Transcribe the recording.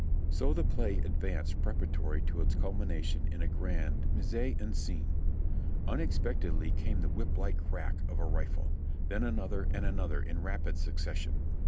So the play advanced preparatory to its culmination in a grand inise en scene. Unexpectedly came the whip like crack of a rifle; then another and another in rapid succession.